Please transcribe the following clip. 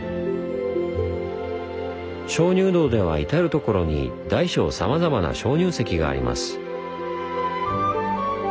鍾乳洞では至る所に大小さまざまな鍾乳石があります。